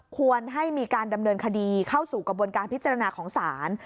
ควรให้มีการดำเนินคดีเข้าสู่กระบวนการพิจารณาของศาล